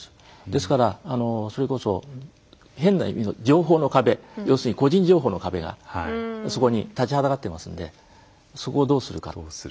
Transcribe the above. ですからそれこそ変な意味の情報の壁要するに個人情報の壁がそこに立ちはだかっていますのでそこをどうするか。